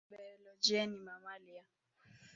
Kibiolojia ni mamalia.